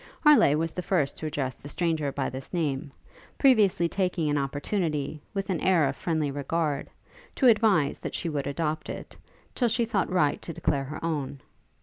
Harleigh was the first to address the stranger by this name, previously taking an opportunity, with an air of friendly regard, to advise that she would adopt it, till she thought right to declare her own.